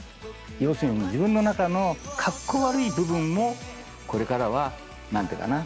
要するに自分の中のカッコ悪い部分もこれからは何ていうかな？